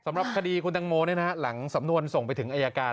สำหรับคดีคุณตังโมหลังสำนวนส่งไปถึงอายการ